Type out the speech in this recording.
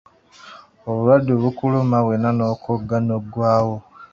Obulwadde bukuluma wenna n'okogga n'oggwawo.